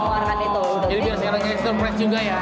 jadi biar sekarang nggak surprise juga ya